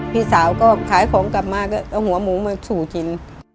พี่สาวก็ขายของกลับมาก็เอาหัวหมูมาสู่กิน